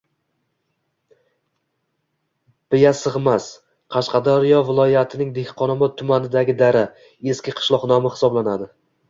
Biyasig‘mas – Qashdaryo viloyatining Dehqonobod tumanidagi dara, eski qishloq nomi hisoblanadi